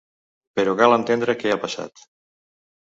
Però cal entendre què ha passat.